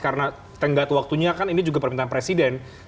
karena tenggat waktunya kan ini juga permintaan presiden